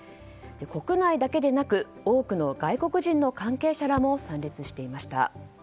国内だけでなく多くの外国人の関係者らも参列していました。